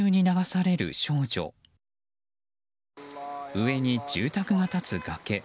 上に住宅が立つ崖。